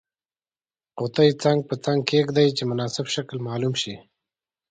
قطي څنګ په څنګ کیږدئ چې مناسب شکل معلوم شي.